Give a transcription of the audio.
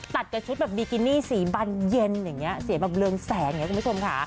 กับชุดแบบบิกินี่สีบันเย็นอย่างนี้สีแบบเรืองแสงอย่างนี้คุณผู้ชมค่ะ